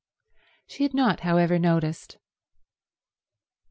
She had not, however, noticed.